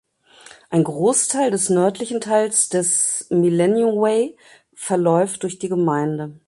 Ein Großteil des nördlichen Teils des Millennium Way verläuft durch die Gemeinde.